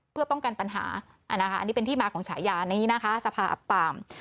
เพื่อป้องกันปัญหาอันนี้เป็นที่มาของฉายานี้นะคะสภาอับปาม